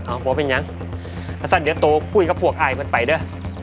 อ้าวบอกเป็นยังอาจารย์เดี๋ยวโต้คุยกับพวกอายเหมือนไปด้วย